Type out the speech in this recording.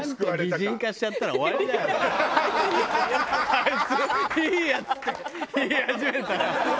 「あいついいヤツ」って言い始めたらやばいよ